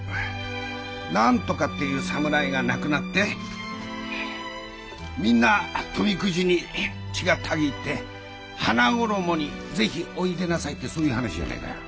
何とかっていう侍が亡くなってみんな富くじに血がたぎって花ごろもにぜひおいでなさいってそういう話じゃねえか。